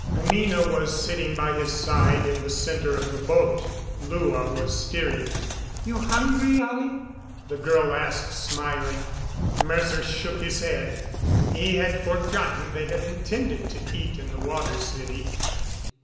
Anina was sitting by his side in the center of the boat. Lua was steering. "You hungry, Ollie?" the girl asked, smiling. Mercer shook his head. He had forgotten they had intended to eat in the Water City.